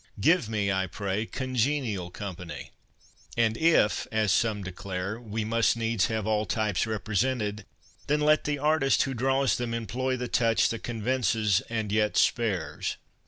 Give me, I pray, congenial company. And if, as some declare, we must needs have all types represented, then let the artist who draws them employ the touch that con vinces and yet spares.